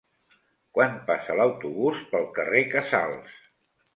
Quan passa l'autobús pel carrer Casals?